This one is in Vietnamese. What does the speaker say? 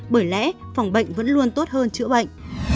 bởi lẽ phòng bệnh vẫn luôn tốt hơn chữa bệnh